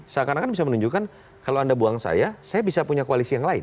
seakan akan bisa menunjukkan kalau anda buang saya saya bisa punya koalisi yang lain